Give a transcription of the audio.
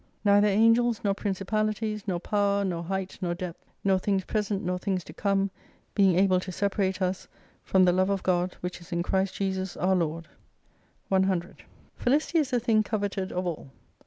Neither angels^ nor principalities^ nor power, nor height nor depth, nor things present nor things to come, being able to separate us, from the love of God which is in Christ Jesus our Lord, 100 Felicity is a thing coveted of all.